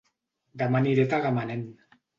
Dema aniré a Tagamanent